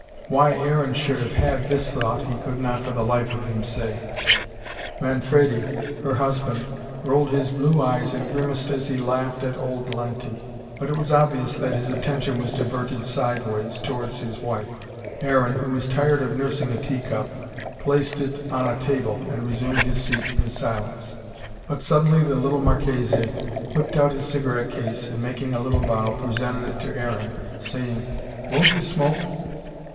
Why Aaron should have had this thought, he could not for the life of him say. Manfredi, her husband, rolled his blue eyes and grimaced as he laughed at old Lanti. But it was obvious that his attention was diverted sideways, towards his wife. Aaron, who was tired of nursing a tea cup, placed in on a table and resumed his seat in silence. But suddenly the little Marchese whipped out his cigarette case, and making a little bow, presented it to Aaron, saying: "Won't you smoke?"